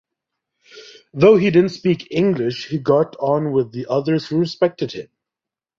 Though he didn't speak English he got on with the others who respected him.